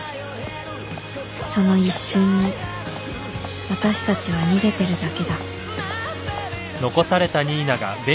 その一瞬に私たちは逃げてるだけだ